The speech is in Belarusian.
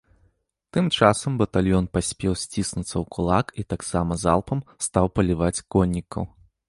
Тым часам батальён паспеў сціснуцца ў кулак і таксама залпам стаў паліваць коннікаў.